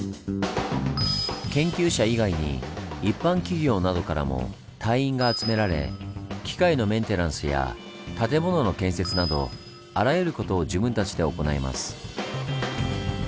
研究者以外に一般企業などからも隊員が集められ機械のメンテナンスや建物の建設などあらゆることを自分たちで行います。